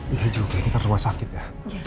iya juga ini kan rumah sakit ya